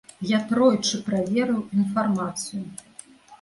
Я тройчы праверыў інфармацыю.